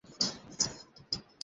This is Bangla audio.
ঝড়ের বেগ কমছে।